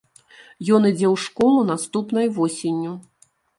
Ён ідзе ў школу наступнай восенню.